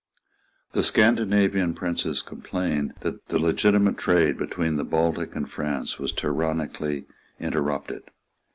The Scandinavian princes complained that the legitimate trade between the Baltic and France was tyrannically interrupted.